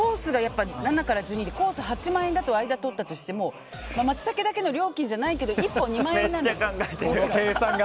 コースが８万円だと間を取ったとしてもマツタケだけの料金じゃないけど１本２万円なんですよ。